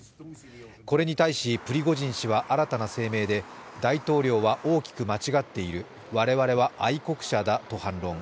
これに対し、プリゴジン氏は新たな声明で大統領は大きく間違っている、我々は愛国者だと反論。